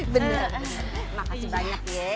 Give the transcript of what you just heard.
bener makasih banyak